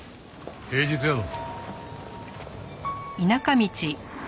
平日やぞ。